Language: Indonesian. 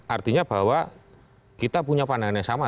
artinya bahwa kita punya pandangannya sama